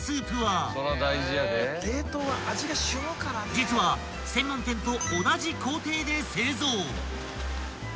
［実は専門店と同じ工程で製造］